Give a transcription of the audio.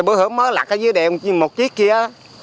bữa hôm mới lạc ở dưới đèo một chiếc kia